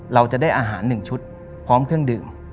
เราจะได้อาหาร๑ชุดพร้อมเครื่องดื่ม